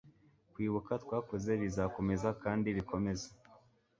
kwibuka twakoze bizakomeza kandi bikomeze